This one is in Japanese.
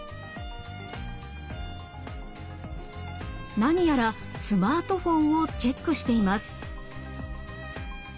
何やらスマートフォンをチェックしています。